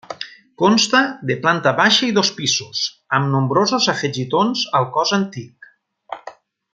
Consta de planta baixa i dos pisos, amb nombrosos afegitons al cos antic.